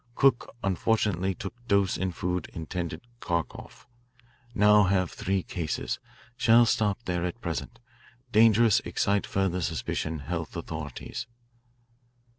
Cook unfortunately took dose in food intended Kharkoff. Now have three cases. Shall stop there at present. Dangerous excite further suspicion health authorities."